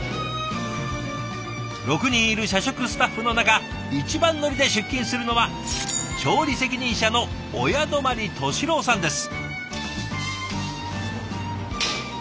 ６人いる社食スタッフの中一番乗りで出勤するのは調理責任者の親泊寿郎さんです。